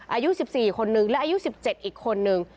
อายุ๑๔คนนึงและอายุ๑๗อีกคนนึง